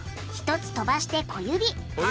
１つ飛ばして小指小指！